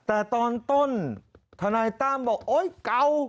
แต่ตอนต้นทนายตั้มบอกโอ๊ยเก่า